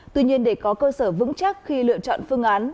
tuy nhiên để có cơ sở vững chắc khi lựa chọn phương án